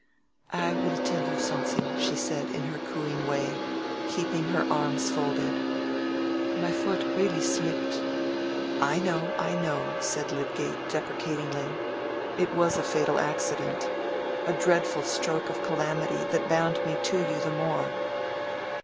"I will tell you something," she said, in her cooing way, keeping her arms folded. "My foot really slipped." "I know, I know," said Lydgate, deprecatingly. "It was a fatal accident—a dreadful stroke of calamity that bound me to you the more."